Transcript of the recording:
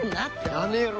やめろ。